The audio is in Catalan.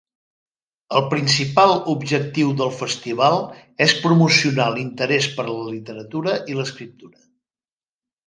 El principal objectiu del festival és promocionar l"interès per la literatura i l"escriptura.